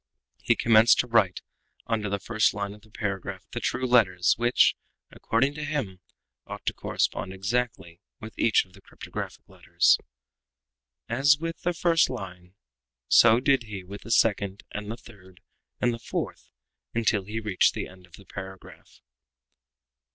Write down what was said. He commenced to write under the first line of the paragraph the true letters, which, according to him, ought to correspond exactly with each of the cryptographic letters. As with the first line so did he with the second, and the third, and the fourth, until he reached the end of the paragraph.